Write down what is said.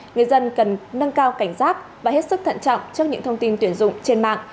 người dân cần nâng cao cảnh giác và hết sức thận trọng trước những thông tin tuyển dụng trên mạng